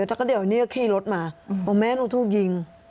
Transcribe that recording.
แล้วก็เดี๋ยวนี้ก็ขี่รถมาบอกแม่หนูถูกยิง